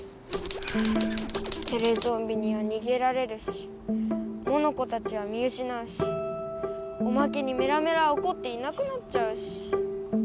テレゾンビにはにげられるしモノコたちは見うしなうしおまけにメラメラはおこっていなくなっちゃうし。